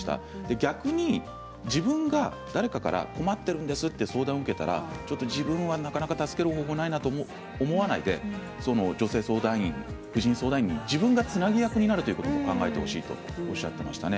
逆に自分が誰かから困っているんですと相談を受けたらちょっと自分はなかなか助ける方法はないなと思わないで、女性相談員婦人相談員に自分がつなぎ役になるということを考えてほしいとおっしゃっていました。